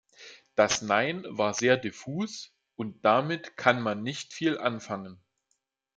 Das Nein war sehr diffus, und damit kann man nicht viel anfangen.